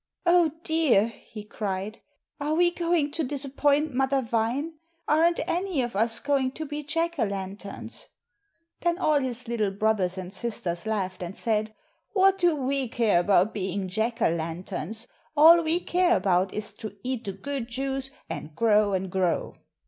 "Oh, dear," he cried, "are we going to disappoint Mother Vine? Aren't any of us going to be Jack o' lanterns?" Then all his little brothers and sisters laughed, and said, "What do we care about being Jack o' lanterns? All we care about is to eat the good juice, and grow and grow."